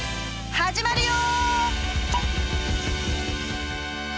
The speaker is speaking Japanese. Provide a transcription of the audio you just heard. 始まるよ！